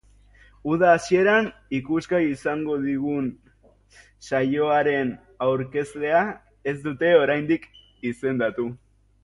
Uda hasieran ikusgai izango dugun saioaren aurkezlea ez dute oraindik izendatu.